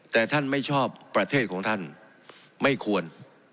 แต่ท่านไม่ชอบประเทศของท่านไม่ควร